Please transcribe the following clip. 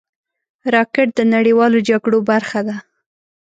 راکټ د نړیوالو جګړو برخه ده